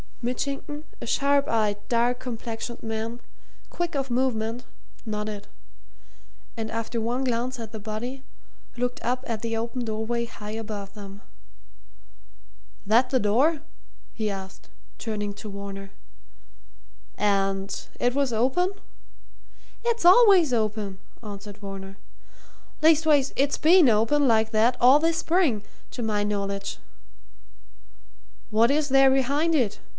Mitchington, a sharp eyed, dark complexioned man, quick of movement, nodded, and after one glance at the body, looked up at the open doorway high above them. "That the door?" he asked, turning to Varner. "And it was open?" "It's always open," answered Varner. "Least ways, it's been open, like that, all this spring, to my knowledge." "What is there behind it?"